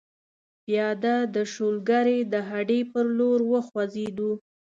پیاده د شولګرې د هډې پر لور وخوځېدو.